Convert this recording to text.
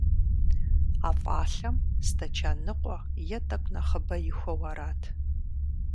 А фӀалъэм стэчан ныкъуэ е тӀэкӀу нэхъыбэ ихуэу арат.